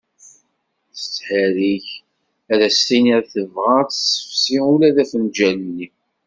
Tetherrik ad as-tiniḍ tebɣa ad tessefsi ula d afenǧal-nni.